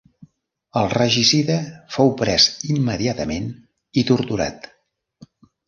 El regicida fou pres immediatament i torturat.